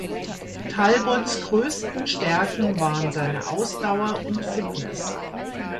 Talbots größten Stärken waren seine Ausdauer und Fitness.